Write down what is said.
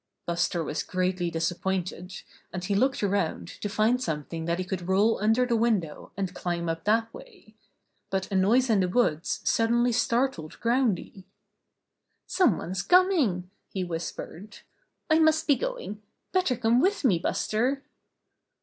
Buster was greatly disappointed, and he looked around to find something that he could roll under the window and climb up that way ; but a noise in the woods suddenly startled Groundy. "Someone's coming," he whispered. "I must be going. Better come with me, Buster."